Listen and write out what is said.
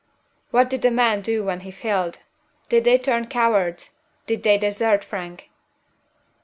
"What did the men do when he failed? Did they turn cowards? Did they desert Frank?"